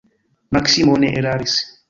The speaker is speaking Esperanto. Maksimo ne eraris.